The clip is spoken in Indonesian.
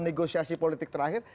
negosiasi politik terakhir